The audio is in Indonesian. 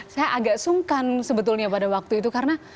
saya agak sungkan sebetulnya pada waktu itu karena